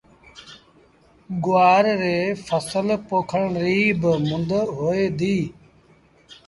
گُوآر ري ڦسل پوکڻ ريٚ با مند هوئي ديٚ۔